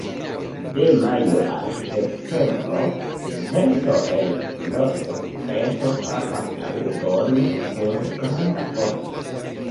De majo al septembro, vento el nordokcidento frapas la urbon kun granda forto.